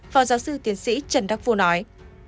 phó giáo sư tiến sĩ trần đắc phu nói